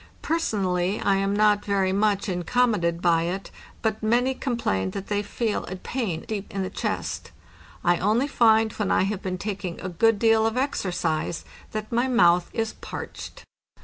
Person ally, 1 am not very much incommoded by it, but many com plain that they feel a pain deep in the chest. I only find when I have been taking a good deal of exercise that my mouth 1s parched."